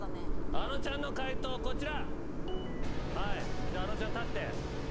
あのちゃんの解答こちら。